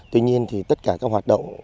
tuy nhiên thì tất cả các hoạt động